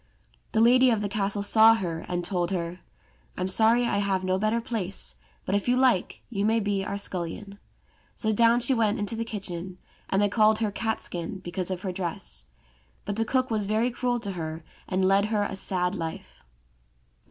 The lady of the castle saw her, and told her, "I'm sorry I have no better place, but if you like you may be our scullion." So down she went into the kitchen, and they called her Catskin, because of her dress. But the cook was very cruel to her, and led her a sad life.